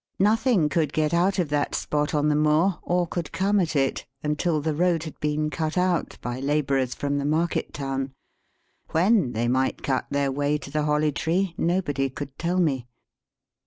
Nothing could get out of that spot on the moor, or could come at it, until the road had been cut out by labourers from the market town. When they might cut their way to the Holly Tree nobody could tell me.